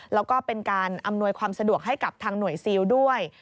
แล้วก็เป็นการอำนวยความสะดวกให้กับทางหน่วยซิลด้วย